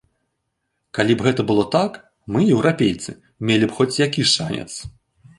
Калі б гэта было так, мы, еўрапейцы, мелі б хоць які шанец.